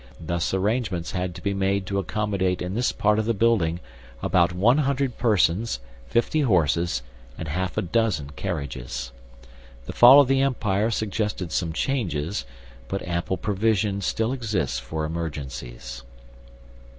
Thus arrangements had to be made to accommodate in this part of the building about one hundred persons, fifty horses, and half a dozen carriages. The fall of the Empire suggested some changes, but ample provision still exists for emergencies.